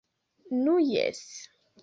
Nu jes.